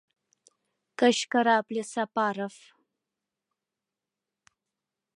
- кычкырапле Сапаров.